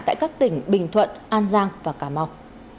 tại các tỉnh bình thuận an giang và cà mau